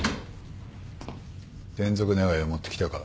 転属願を持ってきたか。